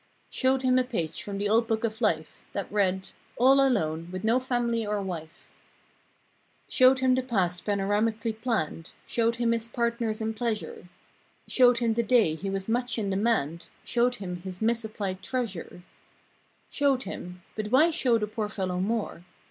Showed him a page from the old book of life— That read—"All alone, with no family or wife!" Showed him the past panoramic'ly planned; Showed him his partners in pleasure; Showed him the day he was much in demand; Showed him his misapplied treasure; Showed him—but why show the poor fellow more?